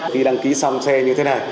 khi đăng ký xong xe như thế này